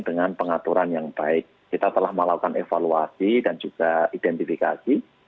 dengan pengaturan yang baik kita telah melakukan evaluasi dan juga identifikasi